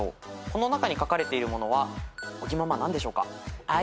この中に描かれているものは尾木ママ何でしょうか？